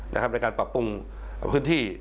ในการปรับปรุงพื้นที่